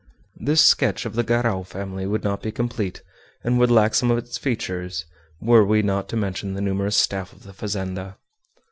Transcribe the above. This sketch of the Garral family would not be complete, and would lack some of its features, were we not to mention the numerous staff of the fazenda.